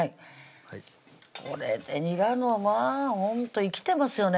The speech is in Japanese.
これでにらのまぁほんと生きてますよね